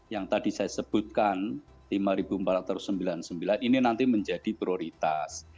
yang tadi saya sebutkan lima empat ratus sembilan puluh sembilan ini nanti menjadi prioritas